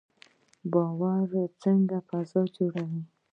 باور څنګه فضا جوړوي؟